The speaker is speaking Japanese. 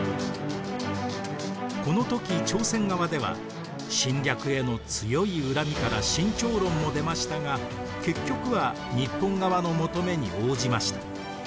この時朝鮮側では侵略への強い恨みから慎重論も出ましたが結局は日本側の求めに応じました。